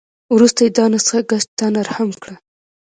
وروسته یې دا نسخه ګسټتنر هم کړه.